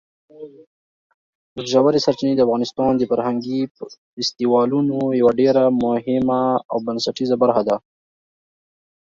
ژورې سرچینې د افغانستان د فرهنګي فستیوالونو یوه ډېره مهمه او بنسټیزه برخه ده.